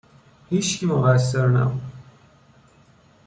هیچکی مقصر نبود